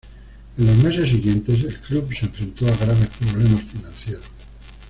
En los meses siguientes, el club se enfrentó a graves problemas financieros.